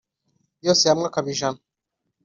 yose hamwe akaba ijana